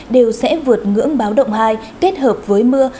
đều sẽ vượt ngưỡng báo động hai kết hợp với mưa